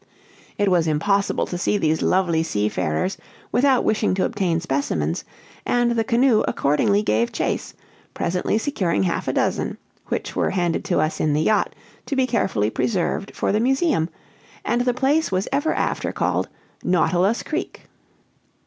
It was impossible to see these lovely seafarers without wishing to obtain specimens; and the canoe accordingly gave chase, presently securing half a dozen, which were handed to us in the yacht to be carefully preserved for the museum, and the place was ever after called Nautilus Creek.